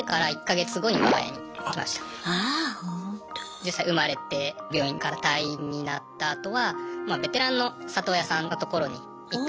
実際生まれて病院から退院になったあとはまあベテランの里親さんのところに一回。